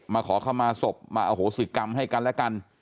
มาขามาศพมาอโหสื่อกรรมให้กันแล้วกัน